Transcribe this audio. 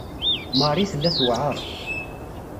Marie tella tewɛeṛ.